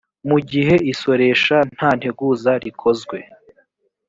mu gihe isoresha nta nteguza rikozwe